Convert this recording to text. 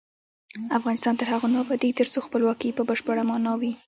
افغانستان تر هغو نه ابادیږي، ترڅو خپلواکي په بشپړه مانا وي.